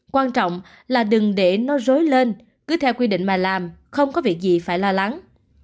quan trọng là đừng để nó rối lên cứ theo quy định mà làm không có việc gì phải lo lắng